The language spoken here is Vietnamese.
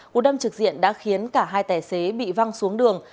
cụ đâm trực diện đã khiến cả hai tài xế bị văng xuống đường